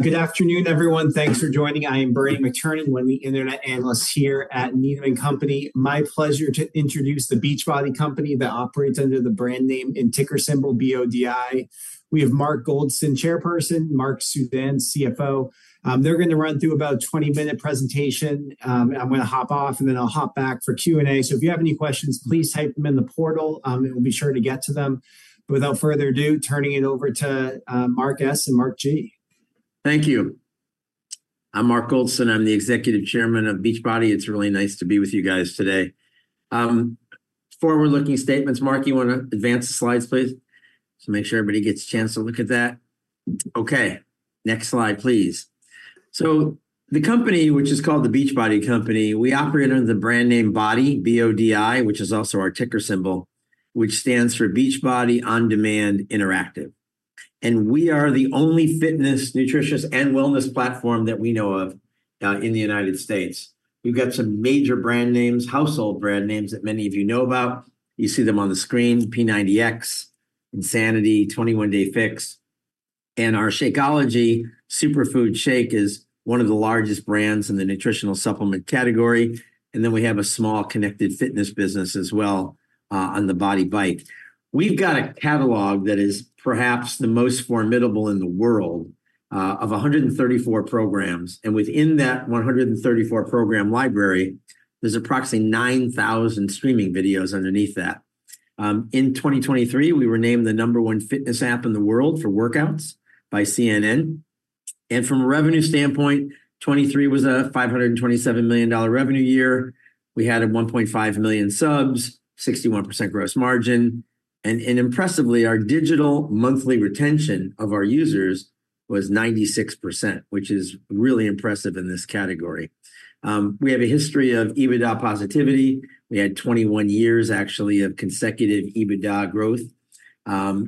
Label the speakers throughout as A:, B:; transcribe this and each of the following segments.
A: Good afternoon, everyone. Thanks for joining. I am Bernie McTernan, one of the internet analysts here at Needham & Company. My pleasure to introduce the Beachbody Company that operates under the brand name and ticker symbol BODI. We have Mark Goldston, Chairperson, Marc Suidan, CFO. They're gonna run through about a 20-minute presentation. I'm gonna hop off, and then I'll hop back for Q&A. So if you have any questions, please type them in the portal, and we'll be sure to get to them. Without further ado, turning it over to Marc S. and Marc G.
B: Thank you. I'm Marc Goldston. I'm the Executive Chairman of Beachbody. It's really nice to be with you guys today. Forward-looking statements. Marc, you wanna advance the slides, please? So make sure everybody gets a chance to look at that. Okay, next slide, please. So the company, which is called The Beachbody Company, we operate under the brand name BODi, B-O-D-I, which is also our ticker symbol, which stands for Beachbody On Demand Interactive, and we are the only fitness, nutrition, and wellness platform that we know of in the United States. We've got some major brand names, household brand names that many of you know about. You see them on the screen, P90X, Insanity, 21 Day Fix, and our Shakeology superfood shake is one of the largest brands in the nutritional supplement category. Then we have a small connected fitness business as well on the BODi Bike. We've got a catalog that is perhaps the most formidable in the world of 134 programs, and within that 134 program library, there's approximately 9,000 streaming videos underneath that. In 2023, we were named the #1 fitness app in the world for workouts by CNN. From a revenue standpoint, 2023 was a $527 million revenue year. We had 1.5 million subs, 61% gross margin, and impressively, our digital monthly retention of our users was 96%, which is really impressive in this category. We have a history of EBITDA positivity. We had 21 years, actually, of consecutive EBITDA growth,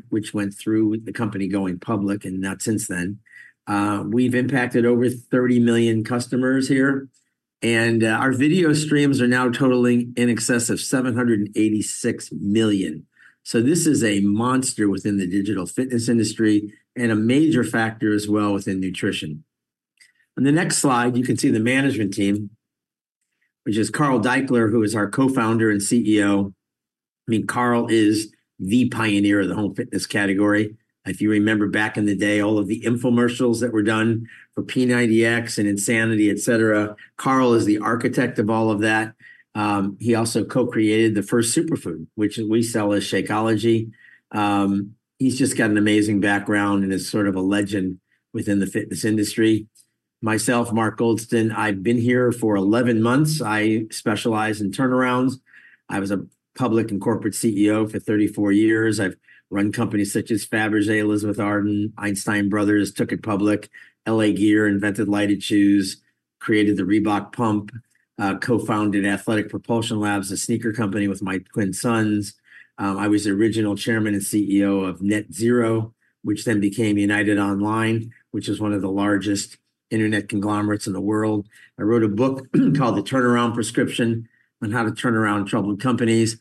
B: which went through with the company going public, and now since then. We've impacted over 30 million customers here, and our video streams are now totaling in excess of 786 million. So this is a monster within the digital fitness industry and a major factor as well within nutrition. On the next slide, you can see the management team, which is Carl Daikeler, who is our Co-Founder and CEO. I mean, Carl is the pioneer of the home fitness category. If you remember back in the day, all of the infomercials that were done for P90X and Insanity, et cetera, Carl is the architect of all of that. He also co-created the first superfood, which we sell as Shakeology. He's just got an amazing background and is sort of a legend within the fitness industry. Myself, Mark Goldston, I've been here for 11 months. I specialize in turnarounds. I was a public and corporate CEO for 34 years. I've run companies such as Fabergé, Elizabeth Arden, Einstein Bros., took it public. L.A. Gear, invented lighted shoes, created the Reebok Pump, co-founded Athletic Propulsion Labs, a sneaker company, with my twin sons. I was the original chairman and CEO of NetZero, which then became United Online, which is one of the largest internet conglomerates in the world. I wrote a book called The Turnaround Prescription, on how to turn around troubled companies.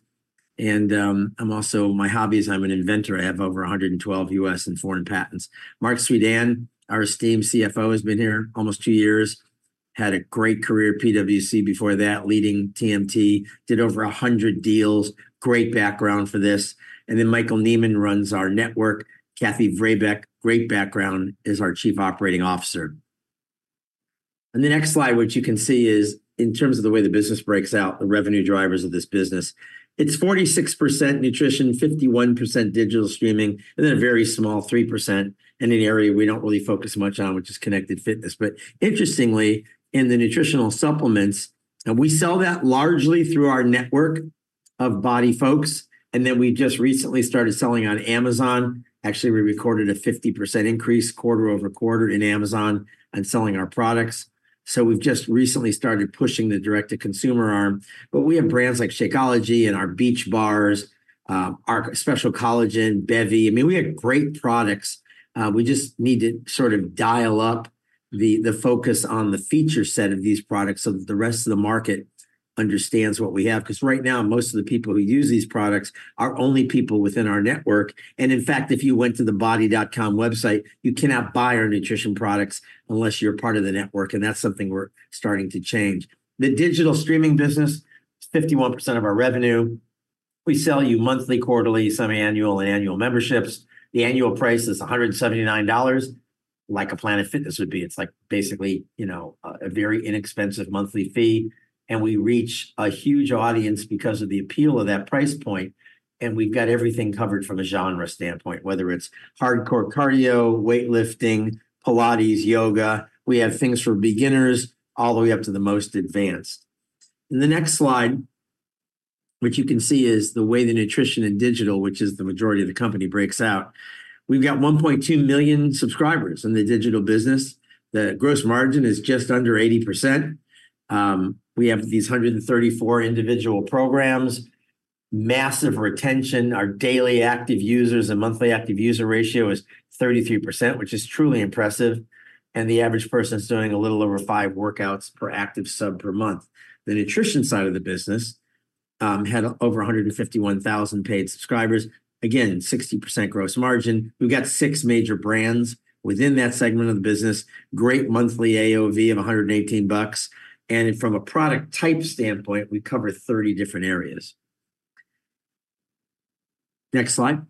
B: I'm also my hobby is I'm an inventor. I have over 112 U.S. and foreign patents. Marc Suidan, our esteemed CFO, has been here almost 2 years, had a great career at PwC before that, leading TMT. Did over 100 deals. Great background for this. Then Michael Neimand runs our network. Kathy Vrabec, great background, is our Chief Operating Officer. On the next slide, what you can see is in terms of the way the business breaks out, the revenue drivers of this business. It's 46% nutrition, 51% digital streaming, and then a very small 3% in an area we don't really focus much on, which is connected fitness. But interestingly, in the nutritional supplements, and we sell that largely through our network of BODi folks, and then we just recently started selling on Amazon. Actually, we recorded a 50% increase quarter-over-quarter in Amazon on selling our products, so we've just recently started pushing the direct-to-consumer arm. But we have brands like Shakeology and our Beach Bars, our special collagen, Bevvy. I mean, we have great products. We just need to sort of dial up the, the focus on the feature set of these products so that the rest of the market understands what we have. Because right now, most of the people who use these products are only people within our network, and in fact, if you went to the BODi.com website, you cannot buy our nutrition products unless you're part of the network, and that's something we're starting to change. The digital streaming business is 51% of our revenue. We sell you monthly, quarterly, semiannual, and annual memberships. The annual price is $179, like a Planet Fitness would be. It's, like, basically, you know, a very inexpensive monthly fee, and we reach a huge audience because of the appeal of that price point, and we've got everything covered from a genre standpoint, whether it's hardcore cardio, weightlifting, Pilates, yoga. We have things for beginners all the way up to the most advanced. In the next slide, what you can see is the way the nutrition and digital, which is the majority of the company, breaks out. We've got 1.2 million subscribers in the digital business. The gross margin is just under 80%. We have these 134 individual programs, massive retention. Our daily active users and monthly active user ratio is 33%, which is truly impressive, and the average person is doing a little over 5 workouts per active sub per month. The nutrition side of the business-... had over 151,000 paid subscribers. Again, 60% gross margin. We've got six major brands within that segment of the business. Great monthly AOV of $118, and from a product type standpoint, we cover 30 different areas. Next slide.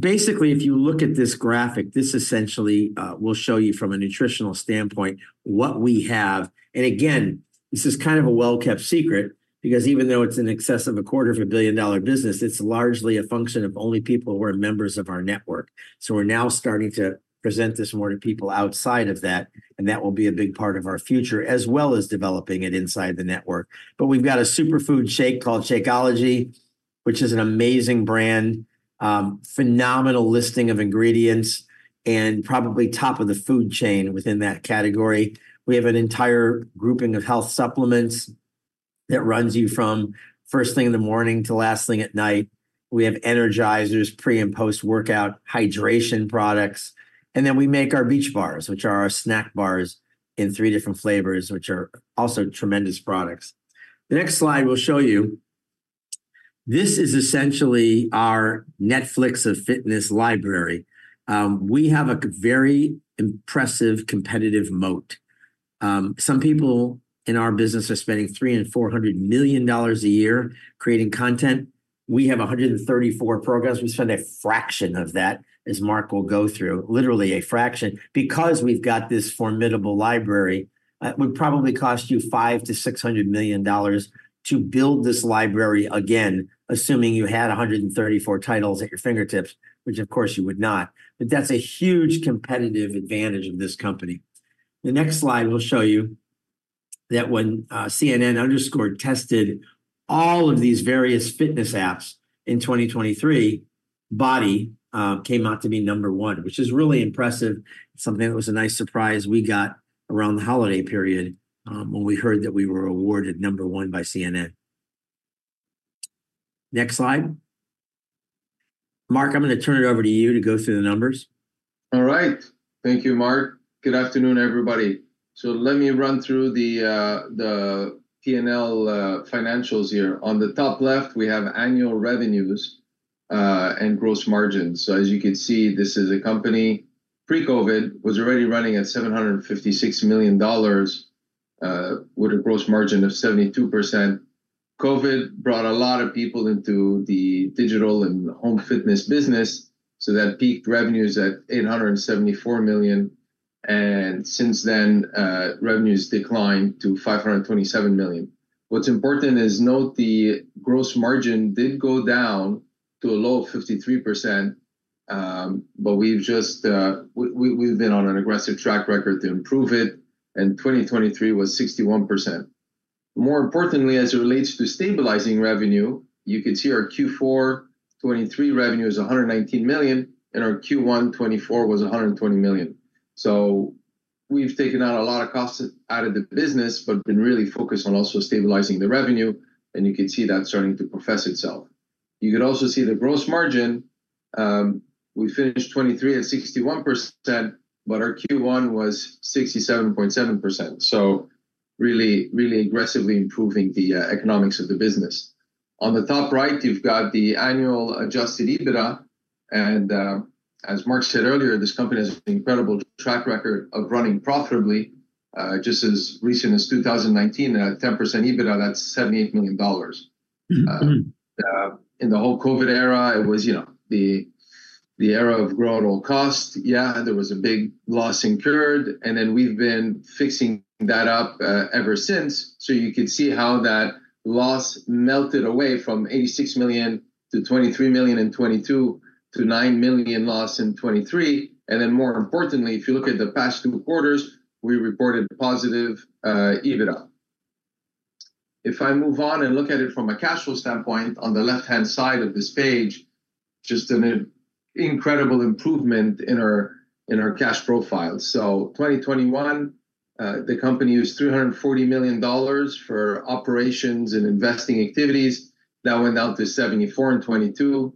B: Basically, if you look at this graphic, this essentially will show you from a nutritional standpoint, what we have. Again, this is kind of a well-kept secret because even though it's in excess of $250 million business, it's largely a function of only people who are members of our network. So we're now starting to present this more to people outside of that, and that will be a big part of our future, as well as developing it inside the network. But we've got a superfood shake called Shakeology, which is an amazing brand. Phenomenal listing of ingredients and probably top of the food chain within that category. We have an entire grouping of health supplements that runs you from first thing in the morning to last thing at night. We have energizers, pre- and post-workout hydration products, and then we make our beach bars, which are our snack bars in three different flavors, which are also tremendous products. The next slide will show you this is essentially our Netflix of fitness library. We have a very impressive competitive moat. Some people in our business are spending $300 million-$400 million a year creating content. We have 134 programs. We spend a fraction of that, as Mark will go through, literally a fraction, because we've got this formidable library. It would probably cost you $500 million-$600 million to build this library again, assuming you had 134 titles at your fingertips, which of course you would not. But that's a huge competitive advantage of this company. The next slide will show you that when CNN Underscored tested all of these various fitness apps in 2023, BODi came out to be number one, which is really impressive, something that was a nice surprise we got around the holiday period, when we heard that we were awarded number one by CNN. Next slide. Mark, I'm gonna turn it over to you to go through the numbers.
C: All right. Thank you, Mark. Good afternoon, everybody. So let me run through the P&L financials here. On the top left, we have annual revenues and gross margin. So as you can see, this is a company, pre-COVID, was already running at $756 million with a gross margin of 72%. COVID brought a lot of people into the digital and home fitness business, so that peaked revenues at $874 million, and since then revenues declined to $527 million. What's important is note the gross margin did go down to a low of 53%, but we've just, we've been on an aggressive track record to improve it, and 2023 was 61%. More importantly, as it relates to stabilizing revenue, you can see our Q4 2023 revenue is $119 million, and our Q1 2024 was $120 million. So we've taken out a lot of costs out of the business, but been really focused on also stabilizing the revenue, and you can see that starting to profess itself. You could also see the gross margin, we finished 2023 at 61%, but our Q1 was 67.7%. So really, really aggressively improving the economics of the business. On the top right, you've got the annual adjusted EBITDA, and, as Mark said earlier, this company has an incredible track record of running profitably, just as recent as 2019, a 10% EBITDA, that's $78 million. In the whole COVID era, it was, you know, the era of grow at all costs. Yeah, there was a big loss incurred, and then we've been fixing that up, ever since. So you can see how that loss melted away from $86 million to $23 million in 2022 to $9 million loss in 2023. And then more importantly, if you look at the past two quarters, we reported positive EBITDA. If I move on and look at it from a cash flow standpoint, on the left-hand side of this page, just an incredible improvement in our cash profile. So 2021, the company used $340 million for operations and investing activities. That went down to $74 million in 2022,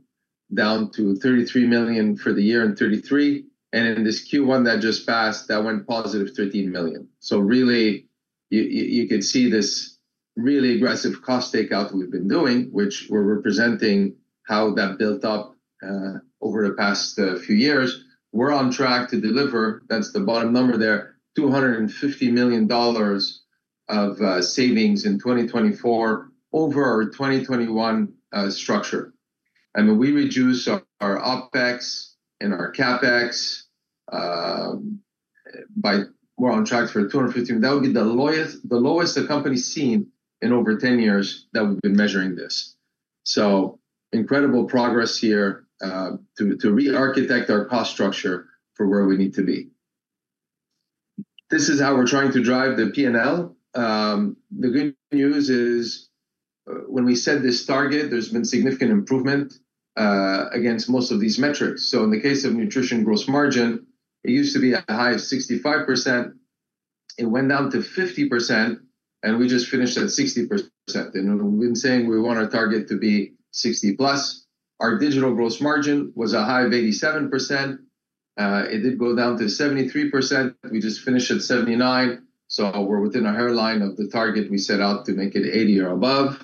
C: down to $33 million for the year in 2023. In this Q1 that just passed, that went positive $13 million. So really, you could see this really aggressive cost takeout we've been doing, which we're representing how that built up over the past few years. We're on track to deliver, that's the bottom number there, $250 million of savings in 2024 over our 2021 structure. And when we reduce our OpEx and our CapEx by we're on track for $250 million, that would be the lowest the company's seen in over 10 years that we've been measuring this. So incredible progress here to re-architect our cost structure for where we need to be. This is how we're trying to drive the P&L. The good news is, when we set this target, there's been significant improvement against most of these metrics. So in the case of nutrition gross margin, it used to be a high of 65%, it went down to 50%, and we just finished at 60%. And we've been saying we want our target to be 60+. Our digital gross margin was a high of 87%. It did go down to 73%. We just finished at 79%, so we're within a hairline of the target we set out to make it 80% or above.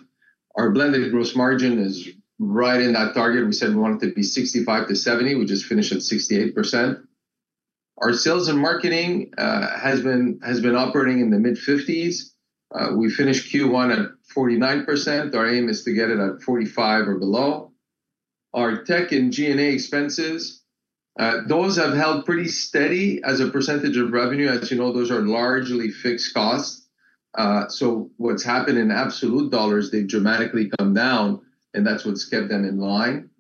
C: Our blended gross margin is right in that target. We said we want it to be 65%-70%, we just finished at 68%. Our sales and marketing has been operating in the mid-fifties. We finished Q1 at 49%. Our aim is to get it at 45 or below. Our tech and G&A expenses, those have held pretty steady as a percentage of revenue. As you know, those are largely fixed costs. So what's happened in absolute dollars, they've dramatically come down, and that's what's kept them in line.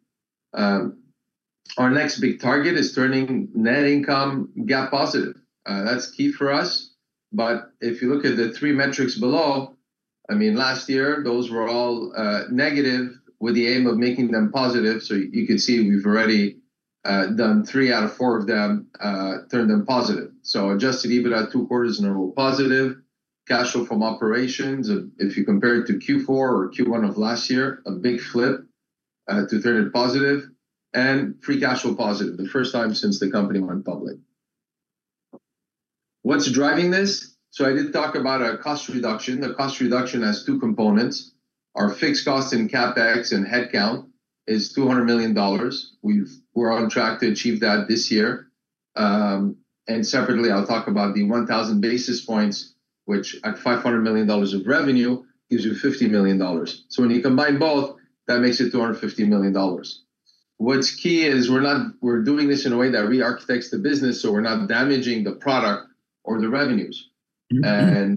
C: Our next big target is turning net income GAAP positive. That's key for us, but if you look at the three metrics below, I mean, last year, those were all, negative, with the aim of making them positive. So you can see we've already, done three out of four of them, turned them positive. So Adjusted EBITDA 2 quarters in a row positive, cash flow from operations, if you compare it to Q4 or Q1 of last year, a big flip to turn it positive, and free cash flow positive, the first time since the company went public. What's driving this? So I did talk about our cost reduction. The cost reduction has two components. Our fixed cost in CapEx and head count is $200 million. We've... We're on track to achieve that this year. And separately, I'll talk about the 1,000 basis points, which at $500 million of revenue, gives you $50 million. So when you combine both, that makes it $250 million. What's key is we're not- we're doing this in a way that re-architects the business, so we're not damaging the product or the revenues. Mm-hmm. A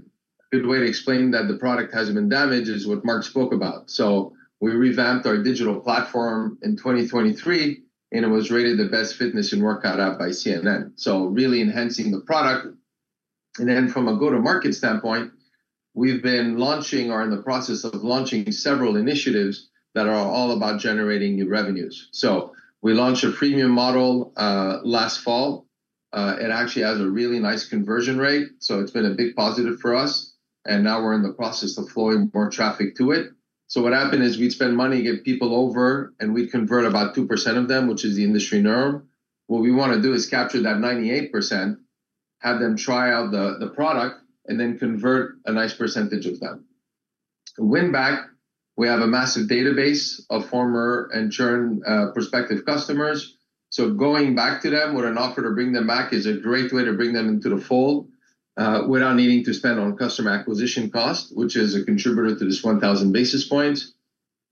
C: good way to explain that the product hasn't been damaged is what Mark spoke about. So we revamped our digital platform in 2023, and it was rated the best fitness and workout app by CNN, so really enhancing the product. Then from a go-to-market standpoint, we've been launching or are in the process of launching several initiatives that are all about generating new revenues. So we launched a premium model last fall. It actually has a really nice conversion rate, so it's been a big positive for us, and now we're in the process of flowing more traffic to it. So what happened is we'd spend money, get people over, and we'd convert about 2% of them, which is the industry norm. What we wanna do is capture that 98%, have them try out the product, and then convert a nice percentage of them. Win back, we have a massive database of former and current prospective customers, so going back to them with an offer to bring them back is a great way to bring them into the fold without needing to spend on customer acquisition cost, which is a contributor to this 1,000 basis points.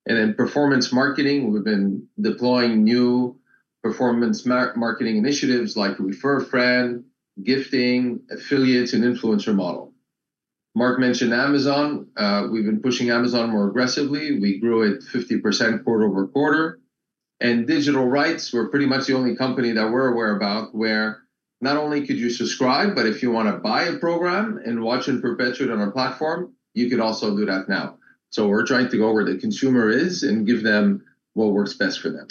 C: And in performance marketing, we've been deploying new performance marketing initiatives like Refer a Friend, gifting, affiliates, and influencer model. Mark mentioned Amazon. We've been pushing Amazon more aggressively. We grew it 50% quarter-over-quarter. And digital rights, we're pretty much the only company that we're aware about, where not only could you subscribe, but if you wanna buy a program and watch in perpetuity on our platform, you could also do that now. So we're trying to go where the consumer is and give them what works best for them.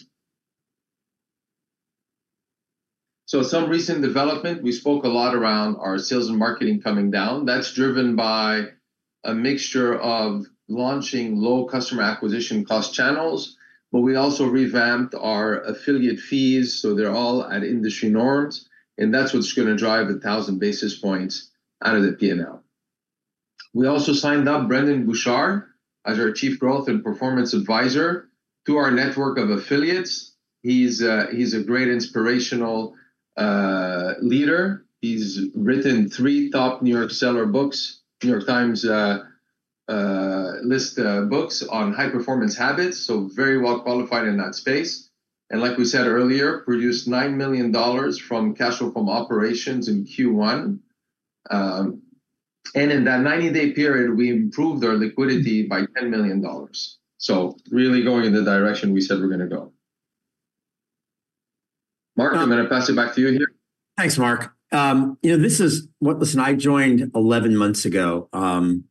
C: So some recent development, we spoke a lot around our sales and marketing coming down. That's driven by a mixture of launching low customer acquisition cost channels, but we also revamped our affiliate fees, so they're all at industry norms, and that's what's gonna drive 1,000 basis points out of the P&L. We also signed up Brendon Burchard as our Chief Growth and Performance Advisor to our network of affiliates. He's a, he's a great inspirational leader. He's written three top New York Times list books on high-performance habits, so very well qualified in that space. And like we said earlier, produced $9 million from cash flow from operations in Q1. And in that 90-day period, we improved our liquidity by $10 million. So really going in the direction we said we're gonna go. Mark, I'm gonna pass it back to you here.
B: Thanks, Mark. You know, this is... Look, listen, I joined 11 months ago, and,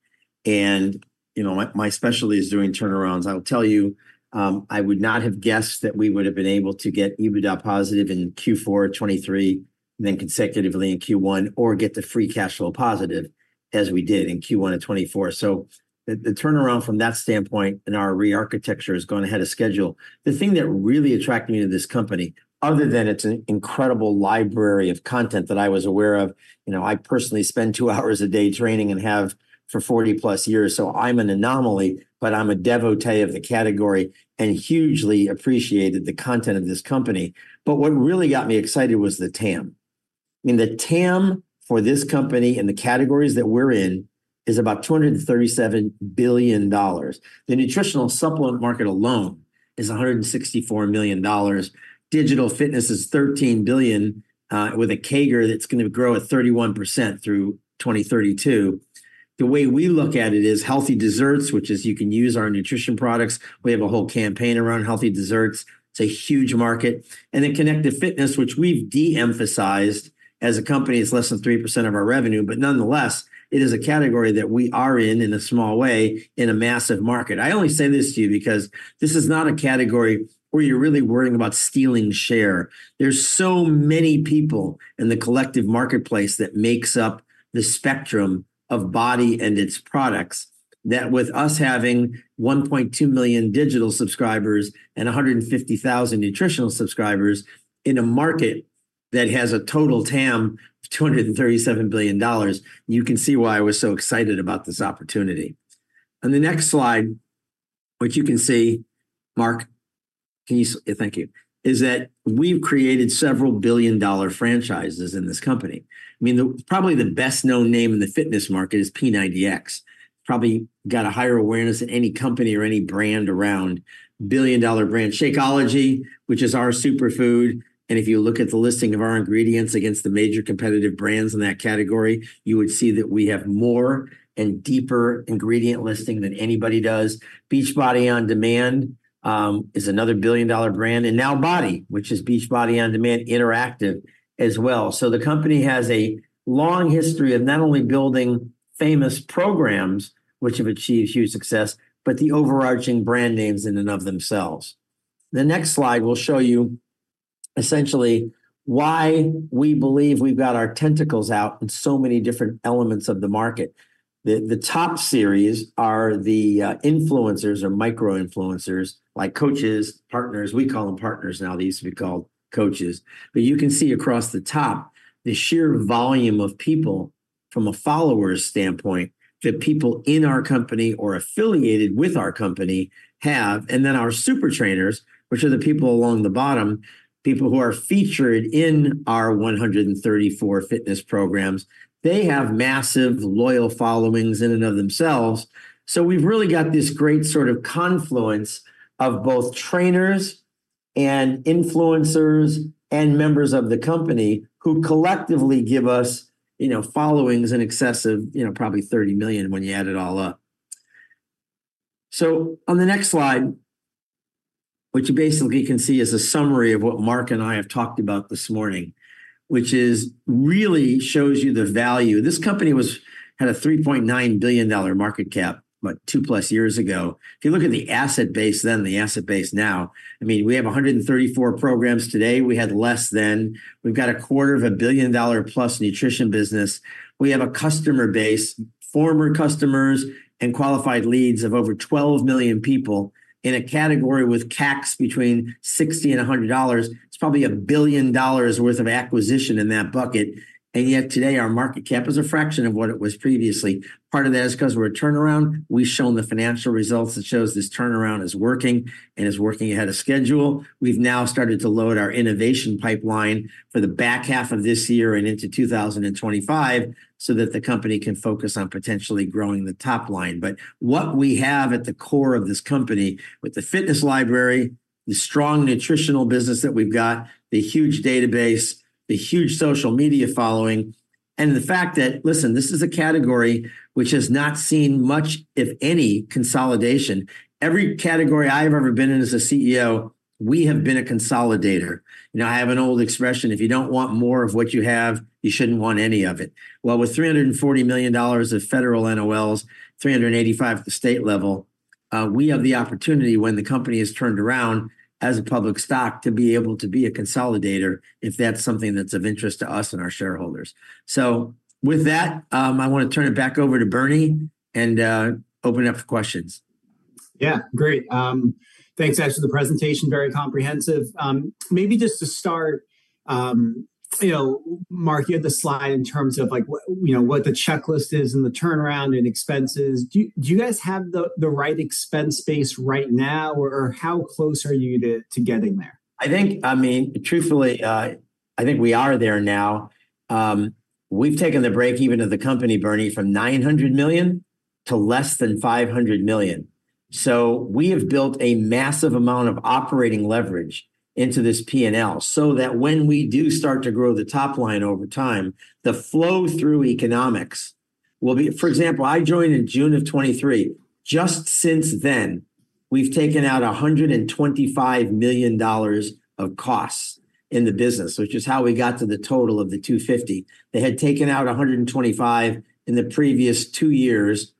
B: you know, my, my specialty is doing turnarounds. I'll tell you, I would not have guessed that we would have been able to get EBITDA positive in Q4 2023 and then consecutively in Q1, or get the free cash flow positive as we did in Q1 of 2024. So the, the turnaround from that standpoint and our rearchitecture is going ahead of schedule. The thing that really attracted me to this company, other than its incredible library of content that I was aware of, you know, I personally spend 2 hours a day training and have for 40+ years, so I'm an anomaly, but I'm a devotee of the category and hugely appreciated the content of this company. But what really got me excited was the TAM. I mean, the TAM for this company and the categories that we're in is about $237 billion. The nutritional supplement market alone is $164 million. Digital fitness is $13 billion, with a CAGR that's gonna grow at 31% through 2032. The way we look at it is healthy desserts, which is you can use our nutrition products. We have a whole campaign around healthy desserts. It's a huge market. And then connected fitness, which we've de-emphasized as a company, is less than 3% of our revenue, but nonetheless, it is a category that we are in, in a small way, in a massive market. I only say this to you because this is not a category where you're really worrying about stealing share. There's so many people in the collective marketplace that makes up the spectrum of BODi and its products... that with us having 1.2 million digital subscribers and 150,000 nutritional subscribers in a market that has a total TAM of $237 billion, you can see why I was so excited about this opportunity. On the next slide, what you can see, Mark, can you - thank you, is that we've created several billion-dollar franchises in this company. I mean, the, probably the best-known name in the fitness market is P90X. Probably got a higher awareness than any company or any brand around. Billion-dollar brand. Shakeology, which is our superfood, and if you look at the listing of our ingredients against the major competitive brands in that category, you would see that we have more and deeper ingredient listing than anybody does. Beachbody On Demand is another billion-dollar brand, and now BODi, which is Beachbody On Demand Interactive as well. So the company has a long history of not only building famous programs which have achieved huge success, but the overarching brand names in and of themselves. The next slide will show you essentially why we believe we've got our tentacles out in so many different elements of the market. The top series are the influencers or micro-influencers, like coaches, partners. We call them partners now. They used to be called coaches. But you can see across the top, the sheer volume of people from a followers standpoint, that people in our company or affiliated with our company have, and then our super trainers, which are the people along the bottom, people who are featured in our 134 fitness programs, they have massive loyal followings in and of themselves. So we've really got this great sort of confluence of both trainers and influencers and members of the company who collectively give us, you know, followings in excess of, you know, probably 30 million when you add it all up. So on the next slide, what you basically can see is a summary of what Mark and I have talked about this morning, which is really shows you the value. This company was... had a $3.9 billion market cap, about 2+ years ago. If you look at the asset base then and the asset base now, I mean, we have 134 programs today. We had less then. We've got a $250 million+ nutrition business. We have a customer base, former customers, and qualified leads of over 12 million people in a category with CACs between $60-$100. It's probably $1 billion worth of acquisition in that bucket, and yet today our market cap is a fraction of what it was previously. Part of that is because we're a turnaround. We've shown the financial results that shows this turnaround is working and is working ahead of schedule. We've now started to load our innovation pipeline for the back half of this year and into 2025, so that the company can focus on potentially growing the top line. But what we have at the core of this company, with the fitness library, the strong nutritional business that we've got, the huge database, the huge social media following, and the fact that, listen, this is a category which has not seen much, if any, consolidation. Every category I've ever been in as a CEO, we have been a consolidator. You know, I have an old expression: if you don't want more of what you have, you shouldn't want any of it. Well, with $340 million of federal NOLs, $385 million at the state level, we have the opportunity, when the company is turned around as a public stock, to be able to be a consolidator if that's something that's of interest to us and our shareholders. With that, I want to turn it back over to Bernie and open up for questions.
A: Yeah, great. Thanks, Mark, for the presentation. Very comprehensive. Maybe just to start, you know, Mark, you had the slide in terms of, like, what, you know, what the checklist is and the turnaround and expenses. Do, do you guys have the, the right expense base right now, or, or how close are you to, to getting there?
B: I think, I mean, truthfully, I think we are there now. We've taken the breakeven to the company, Bernie, from $900 million to less than $500 million. So we have built a massive amount of operating leverage into this P&L, so that when we do start to grow the top line over time, the flow-through economics will be, for example, I joined in June 2023. Just since then, we've taken out $125 million of costs in the business, which is how we got to the total of the $250 million. They had taken out $125 million in the previous two years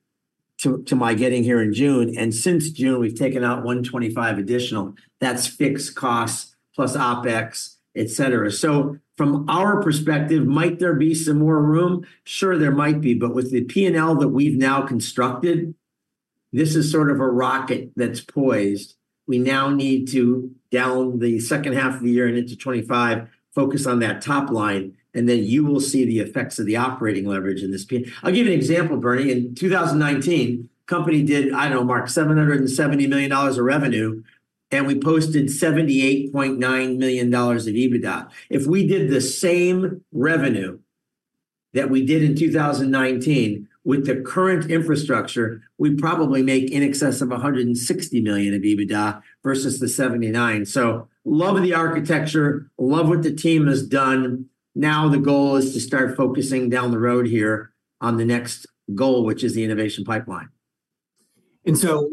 B: to my getting here in June, and since June, we've taken out $125 million additional. That's fixed costs plus OpEx, etc. So from our perspective, might there be some more room? Sure, there might be. But with the P&L that we've now constructed, this is sort of a rocket that's poised. We now need to, down the second half of the year and into 2025, focus on that top line, and then you will see the effects of the operating leverage in this P&L. I'll give you an example, Bernie. In 2019, company did, I don't know, Mark, $770 million of revenue, and we posted $78.9 million of EBITDA. If we did the same revenue that we did in 2019 with the current infrastructure, we'd probably make in excess of $160 million in EBITDA versus the $79 million. So love the architecture, love what the team has done. Now, the goal is to start focusing down the road here on the next goal, which is the innovation pipeline.
A: So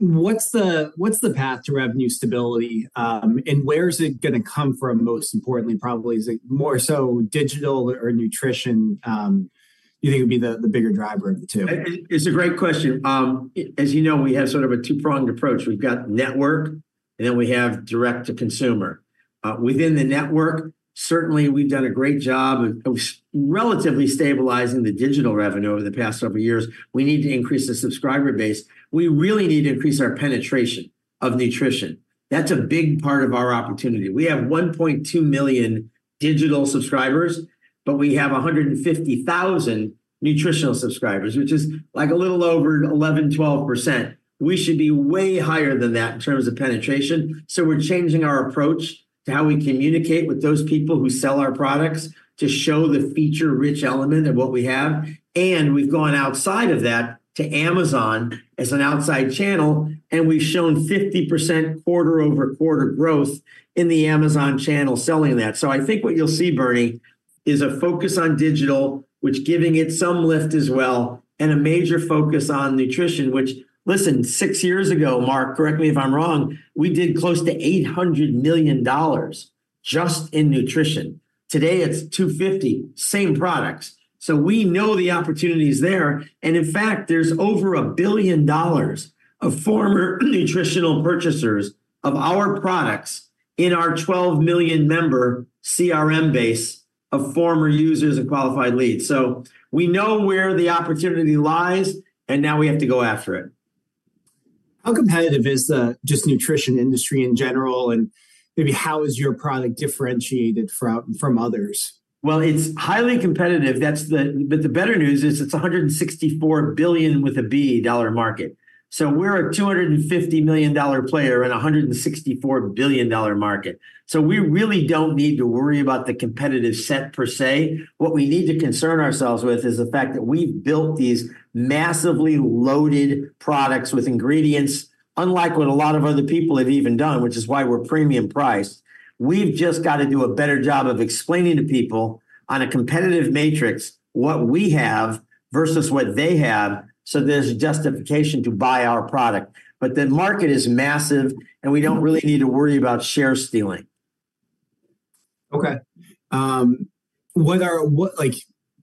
A: what's the path to revenue stability, and where is it gonna come from, most importantly, probably? Is it more so digital or nutrition, you think would be the bigger driver of the two?
B: It's a great question. As you know, we have sort of a two-pronged approach. We've got network, and then we have direct to consumer. Within the network, certainly, we've done a great job of relatively stabilizing the digital revenue over the past several years. We need to increase the subscriber base. We really need to increase our penetration of nutrition. That's a big part of our opportunity. We have 1.2 million digital subscribers, but we have 150,000 nutritional subscribers, which is, like, a little over 11%-12%. We should be way higher than that in terms of penetration, so we're changing our approach to how we communicate with those people who sell our products to show the feature-rich element of what we have. We've gone outside of that to Amazon as an outside channel, and we've shown 50% quarter-over-quarter growth in the Amazon channel selling that. So I think what you'll see, Bernie, is a focus on digital, which giving it some lift as well, and a major focus on nutrition, which, listen, six years ago, Mark, correct me if I'm wrong, we did close to $800 million just in nutrition. Today, it's $250 million, same products. So we know the opportunity is there, and in fact, there's over $1 billion of former nutritional purchasers of our products in our 12 million member CRM base of former users and qualified leads. So we know where the opportunity lies, and now we have to go after it.
A: How competitive is the just nutrition industry in general, and maybe how is your product differentiated from others?
B: Well, it's highly competitive. That's the... But the better news is it's a $164 billion, with a B, market. So we're a $250 million player in a $164 billion market. So we really don't need to worry about the competitive set per se. What we need to concern ourselves with is the fact that we've built these massively loaded products with ingredients, unlike what a lot of other people have even done, which is why we're premium priced. We've just got to do a better job of explaining to people on a competitive matrix what we have versus what they have, so there's justification to buy our product. But the market is massive, and we don't really need to worry about share stealing.
A: Okay, what? Like,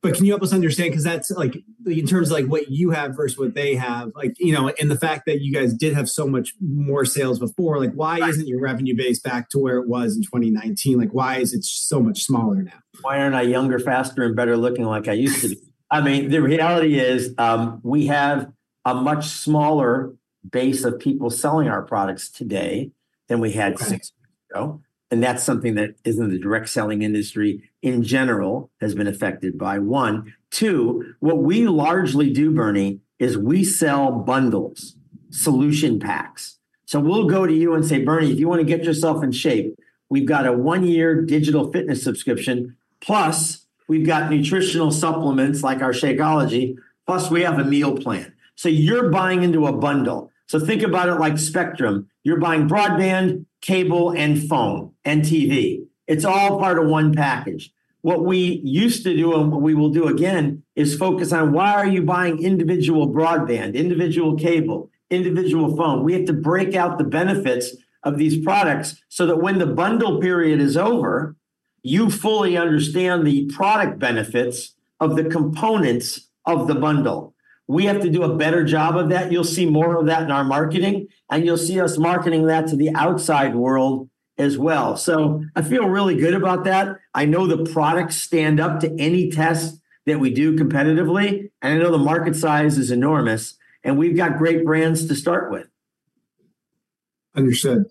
A: but can you help us understand? 'Cause that's, like, in terms of, like, what you have versus what they have, like, you know, and the fact that you guys did have so much more sales before, like, why-
B: Right...
A: isn't your revenue base back to where it was in 2019? Like, why is it so much smaller now?
B: Why aren't I younger, faster, and better looking like I used to be? I mean, the reality is, we have a much smaller base of people selling our products today than we had six years ago.
A: Right.
B: That's something that is in the direct selling industry, in general, has been affected by one, two, what we largely do, Bernie, is we sell bundles, solution packs. So we'll go to you and say, "Bernie, if you wanna get yourself in shape, we've got a 1-year digital fitness subscription, plus we've got nutritional supplements like our Shakeology, plus we have a meal plan." So you're buying into a bundle. So think about it like Spectrum. You're buying broadband, cable, and phone, and TV. It's all part of one package. What we used to do, and what we will do again, is focus on: Why are you buying individual broadband, individual cable, individual phone? We have to break out the benefits of these products so that when the bundle period is over, you fully understand the product benefits of the components of the bundle. We have to do a better job of that. You'll see more of that in our marketing, and you'll see us marketing that to the outside world as well. So I feel really good about that. I know the products stand up to any test that we do competitively, and I know the market size is enormous, and we've got great brands to start with.
A: Understood.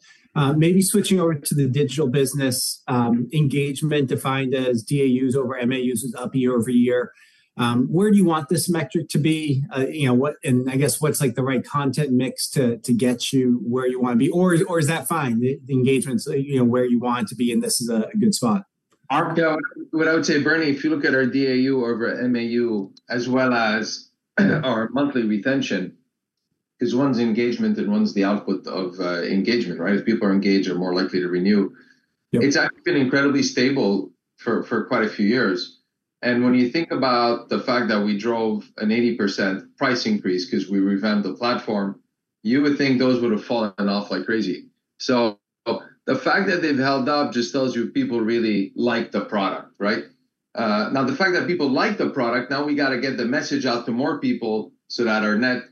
A: Maybe switching over to the digital business, engagement defined as DAUs over MAUs is up year-over-year. Where do you want this metric to be? You know, what, and I guess, what's, like, the right content mix to get you where you wanna be? Or is that fine, the engagement's, like, you know, where you want it to be, and this is a good spot?
C: Mark, what I would say, Bernie, if you look at our DAU over MAU, as well as our monthly retention, 'cause one's engagement, and one's the output of engagement, right? If people are engaged, they're more likely to renew.
A: Yep.
C: It's actually been incredibly stable for quite a few years, and when you think about the fact that we drove an 80% price increase 'cause we revamped the platform, you would think those would have fallen off like crazy. So, the fact that they've held up just tells you people really like the product, right? Now, the fact that people like the product, now we gotta get the message out to more people so that our net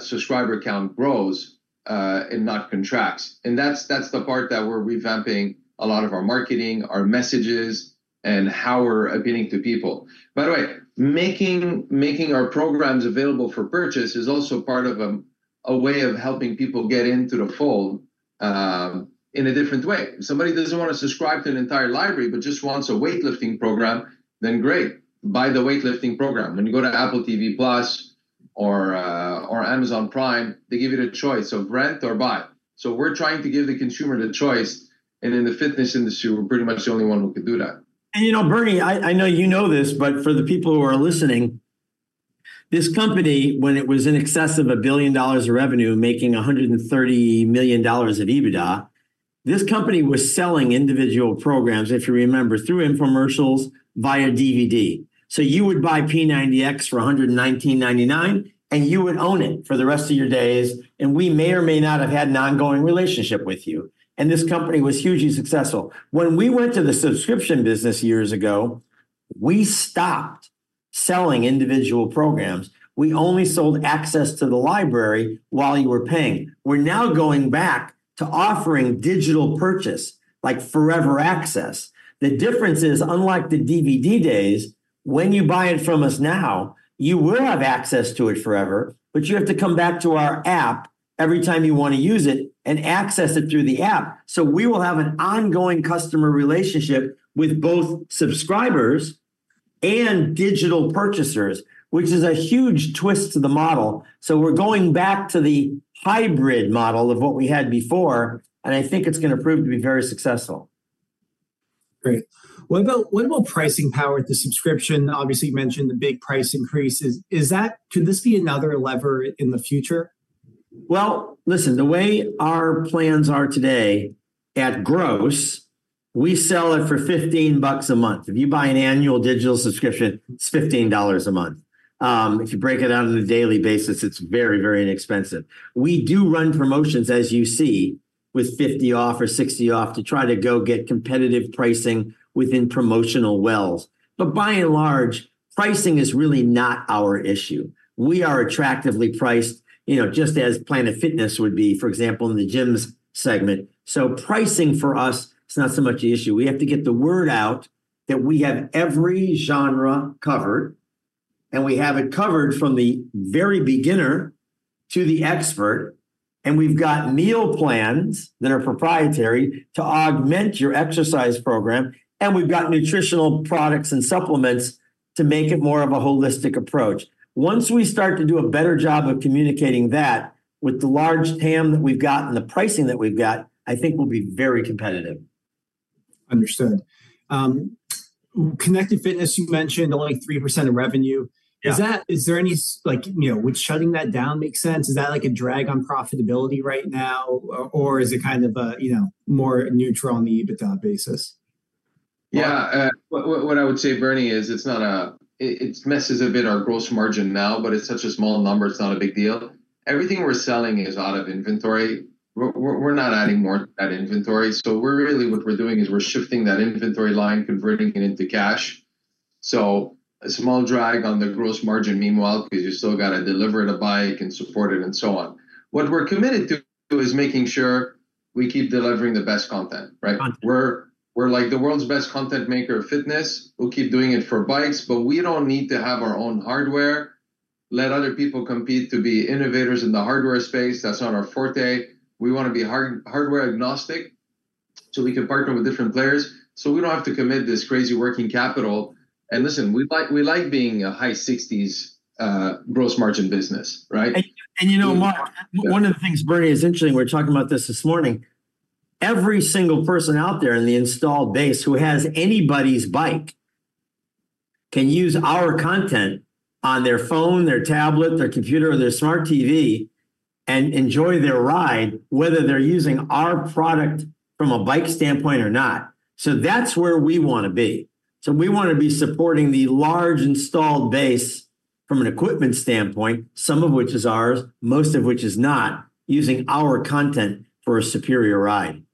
C: subscriber count grows and not contracts. And that's the part that we're revamping a lot of our marketing, our messages, and how we're appealing to people. By the way, making our programs available for purchase is also part of a way of helping people get into the fold in a different way. If somebody doesn't wanna subscribe to the entire library but just wants a weightlifting program, then great, buy the weightlifting program. When you go to Apple TV+ or, or Amazon Prime, they give you the choice of rent or buy. So we're trying to give the consumer the choice, and in the fitness industry, we're pretty much the only one who can do that.
B: And, you know, Bernie, I, I know you know this, but for the people who are listening, this company, when it was in excess of $1 billion of revenue, making $130 million of EBITDA, this company was selling individual programs, if you remember, through infomercials via DVD. So you would buy P90X for $119.99, and you would own it for the rest of your days, and we may or may not have had an ongoing relationship with you, and this company was hugely successful. When we went to the subscription business years ago... We stopped selling individual programs. We only sold access to the library while you were paying. We're now going back to offering digital purchase, like forever access. The difference is, unlike the DVD days, when you buy it from us now, you will have access to it forever, but you have to come back to our app every time you want to use it and access it through the app. We will have an ongoing customer relationship with both subscribers and digital purchasers, which is a huge twist to the model. We're going back to the hybrid model of what we had before, and I think it's gonna prove to be very successful.
A: Great. What about, what about pricing power with the subscription? Obviously, you mentioned the big price increase. Is, is that-- could this be another lever in the future?
B: Well, listen, the way our plans are today, at gross, we sell it for $15 a month. If you buy an annual digital subscription, it's $15 a month. If you break it out on a daily basis, it's very, very inexpensive. We do run promotions, as you see, with $50 off or $60 off, to try to go get competitive pricing within promotional wells. But by and large, pricing is really not our issue. We are attractively priced, you know, just as Planet Fitness would be, for example, in the gyms segment. So pricing for us is not so much an issue. We have to get the word out that we have every genre covered, and we have it covered from the very beginner to the expert, and we've got meal plans that are proprietary to augment your exercise program, and we've got nutritional products and supplements to make it more of a holistic approach. Once we start to do a better job of communicating that, with the large TAM that we've got and the pricing that we've got, I think we'll be very competitive.
A: Understood. Connected Fitness, you mentioned only 3% of revenue.
B: Yeah.
A: Is there any like, you know, would shutting that down make sense? Is that, like, a drag on profitability right now, or, or is it kind of a, you know, more neutral on the EBITDA basis?
C: Yeah, what I would say, Bernie, is it's not a... It messes a bit our gross margin now, but it's such a small number, it's not a big deal. Everything we're selling is out of inventory. We're not adding more to that inventory, so we're really what we're doing is we're shifting that inventory line, converting it into cash. So a small drag on the gross margin meanwhile, because you still gotta deliver the bike and support it, and so on. What we're committed to is making sure we keep delivering the best content, right?
B: Content.
C: We're like the world's best content maker of fitness. We'll keep doing it for bikes, but we don't need to have our own hardware. Let other people compete to be innovators in the hardware space. That's not our forte. We wanna be hardware agnostic so we can partner with different players, so we don't have to commit this crazy working capital. And listen, we like being a high 60s gross margin business, right?
B: You know, Mark, one of the things, Bernie, is interesting, we were talking about this this morning. Every single person out there in the installed base who has anybody's bike can use our content on their phone, their tablet, their computer, or their smart TV and enjoy their ride, whether they're using our product from a bike standpoint or not. So that's where we wanna be. So we wanna be supporting the large installed base from an equipment standpoint, some of which is ours, most of which is not, using our content for a superior ride.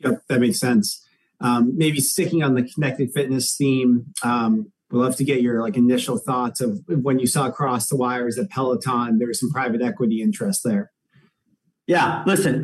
A: Yep, that makes sense. Maybe sticking on the Connected Fitness theme, would love to get your, like, initial thoughts of when you saw across the wires at Peloton, there was some private equity interest there?
B: Yeah. Listen,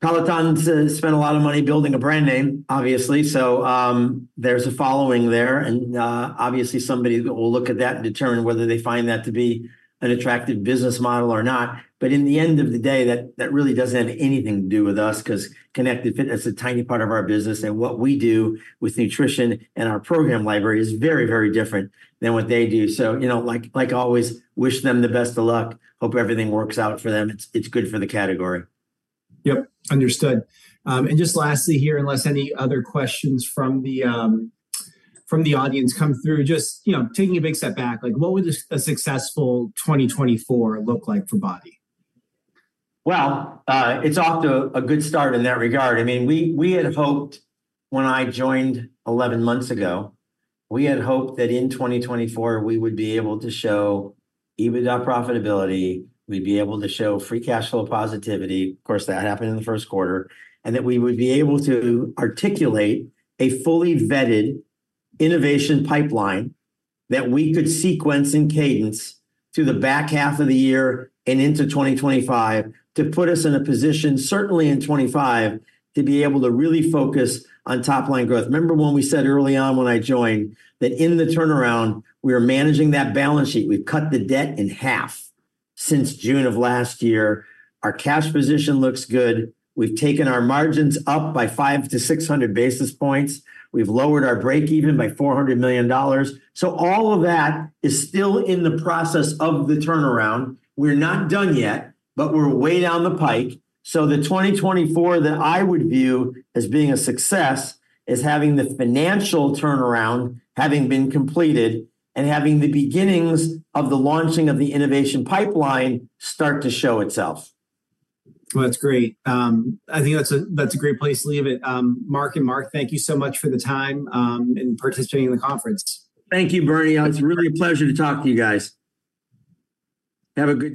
B: Peloton's spent a lot of money building a brand name, obviously, so, there's a following there, and, obviously somebody will look at that and determine whether they find that to be an attractive business model or not. But in the end of the day, that, that really doesn't have anything to do with us, 'cause Connected Fitness is a tiny part of our business, and what we do with nutrition and our program library is very, very different than what they do. So, you know, like, like always, wish them the best of luck. Hope everything works out for them. It's, it's good for the category.
A: Yep, understood. Just lastly here, unless any other questions from the audience come through, just, you know, taking a big step back, like, what would a successful 2024 look like for BODi?
B: Well, it's off to a good start in that regard. I mean, we had hoped when I joined 11 months ago, we had hoped that in 2024 we would be able to show EBITDA profitability, we'd be able to show free cash flow positivity, of course, that happened in the first quarter, and that we would be able to articulate a fully vetted innovation pipeline that we could sequence in cadence through the back half of the year and into 2025, to put us in a position, certainly in 25, to be able to really focus on top line growth. Remember when we said early on when I joined, that in the turnaround, we are managing that balance sheet. We've cut the debt in half since June of last year. Our cash position looks good. We've taken our margins up by 500-600 basis points. We've lowered our break-even by $400 million. So all of that is still in the process of the turnaround. We're not done yet, but we're way down the pike. So the 2024 that I would view as being a success is having the financial turnaround having been completed, and having the beginnings of the launching of the innovation pipeline start to show itself.
A: Well, that's great. I think that's a great place to leave it. Mark and Marc, thank you so much for the time and participating in the conference.
B: Thank you, Bernie. It's really a pleasure to talk to you guys. Have a good-